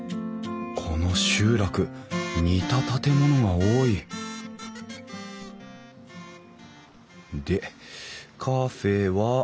この集落似た建物が多いでカフェは？